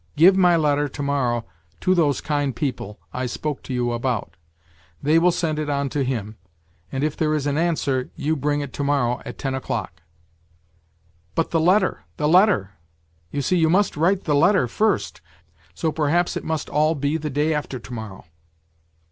Give my letter to morrow to those kind people I spoke to you about : thgyjwjll send it on to him, and if there is an answer you bring it to morrow at ten o'clock." " But the letter, the letter ! You see, you must write the letter first ! So perhaps it must all be the day after to morrow."